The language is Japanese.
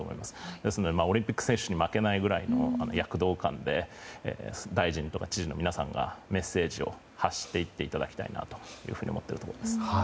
ですのでオリンピック選手に負けないくらいの躍動感で大臣とか知事の皆さんがメッセージを発してもらいたいと思っているところです。